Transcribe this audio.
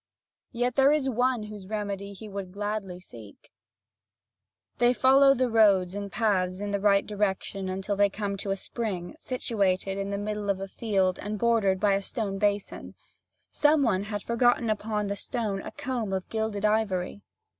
Yet, there is one whose remedy he would gladly seek .... They follow the roads and paths in the right direction until they come to a spring, situated in the middle of a field, and bordered by a stone basin. Some one had forgotten upon the stone a comb of gilded ivory.